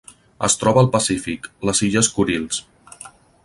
Es troba al Pacífic: les Illes Kurils.